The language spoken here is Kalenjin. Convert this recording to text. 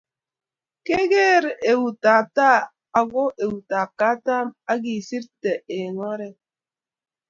kegeer eitab tai ago eutab katam akisirte eng oret